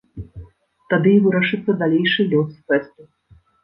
Тады і вырашыцца далейшы лёс фэсту.